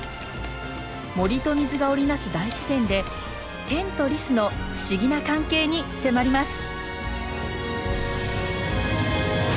森と水が織り成す大自然でテンとリスの不思議な関係に迫ります。